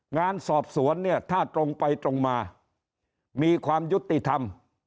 งานสอบสวนเนี่ยถ้าตรงไปตรงมามีความยุติธรรม